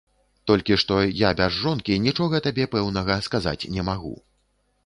Толькі што я без жонкі нічога табе пэўнага сказаць не магу.